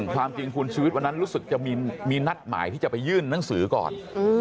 ความจริงคุณชีวิตวันนั้นรู้สึกจะมีนัดหมายที่จะไปยื่นหนังสือก่อน